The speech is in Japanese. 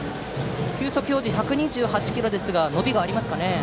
球速表示は１２８キロですが伸びはありますかね？